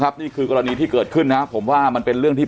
นี่คือกรณีที่เกิดขึ้นนะผมว่ามันเป็นเรื่องที่